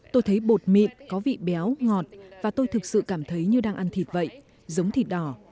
tôi thấy bột mịn có vị béo ngọt và tôi thực sự cảm thấy như đang ăn thịt vậy giống thịt đỏ